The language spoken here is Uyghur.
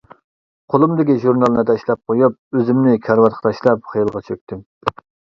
قولۇمدىكى ژۇرنالنى تاشلاپ قويۇپ ئۆزۈمنى كارىۋاتقا تاشلاپ خىيالغا چۆكتۈم.